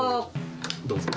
どうぞ。